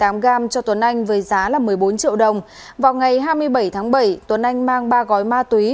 hùng đặt hai mươi tám gam cho tuấn anh với giá một mươi bốn triệu đồng vào ngày hai mươi bảy tháng bảy tuấn anh mang ba gói ma túy